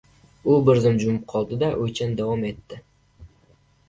— U bir zum jimib qoldi-da, o‘ychan davom etdi.